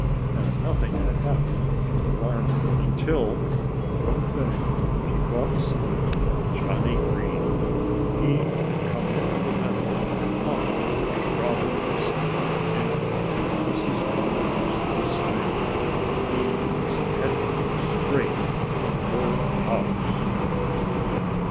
And nothing had happened to alarm her until one day she caught sight of Johnnie Green. He had come into the meadow to hunt for strawberries. And to Mrs. Bobolink's dismay he was headed straight for her house.